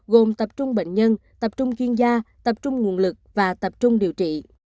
gồm tập trung bệnh nhân tập trung chuyên gia tập trung nguồn lực và tập trung điều trị